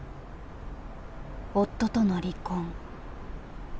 夫との離婚。